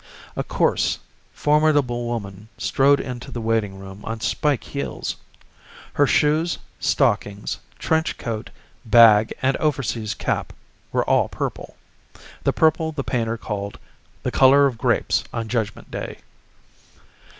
A coarse, formidable woman strode into the waiting room on spike heels. Her shoes, stockings, trench coat, bag and overseas cap were all purple, the purple the painter called "the color of grapes on Judgment Day."